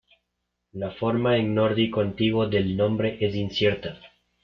La forma en nórdico antiguo del nombre es incierta.